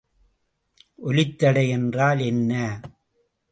ஒலித்தடை என்றால் என்ன?